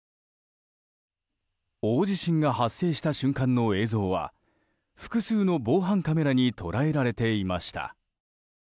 大地震が発生した瞬間の映像は複数の防犯カメラに捉えられていました。